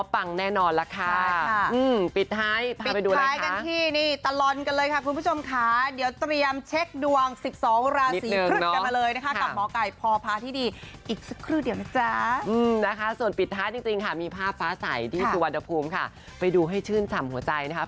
ไปดูให้ชื่นฉ่ำหัวใจนะครับ